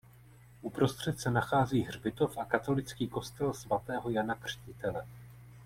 Uprostřed se nachází hřbitov a katolický kostel svatého Jana Křtitele.